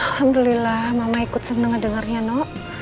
alhamdulillah mama ikut senang dengarnya no